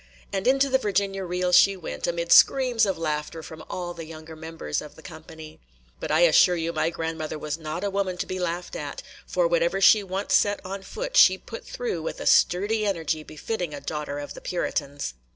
And into the Virginia reel she went, amid screams of laughter from all the younger members of the company. But I assure you my grandmother was not a woman to be laughed at; for whatever she once set on foot, she "put through" with a sturdy energy befitting a daughter of the Puritans.